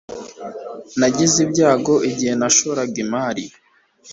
Nagize ibyago igihe nashora imari.